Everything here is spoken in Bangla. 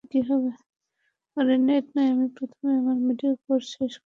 আমি প্রথমে আমার মেডিকেল কোর্স শেষ করব।